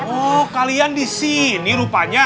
oh kalian di sini rupanya